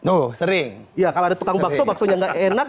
oh sering ya kalau ada tukang bakso baksonya nggak enak